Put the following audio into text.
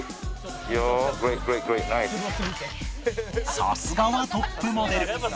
さすがはトップモデル